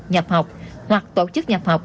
nhập học hoặc tổ chức nhập học